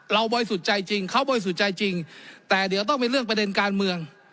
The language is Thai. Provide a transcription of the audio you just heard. เราบ่อยสุดใจจริงเขาบ่อยสุดใจจริงแต่เดี๋ยวต้องมีเรื่องประเด็นการเมือง